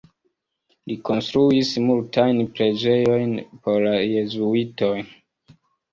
Li konstruis multajn preĝejojn por la Jezuitoj.